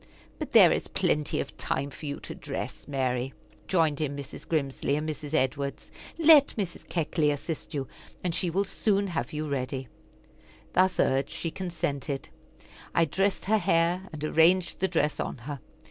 "But there is plenty of time for you to dress, Mary," joined in Mrs. Grimsly and Mrs. Edwards. "Let Mrs. Keckley assist you, and she will soon have you ready." Thus urged, she consented. I dressed her hair, and arranged the dress on her.